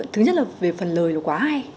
thứ nhất là về phần lời là quá hay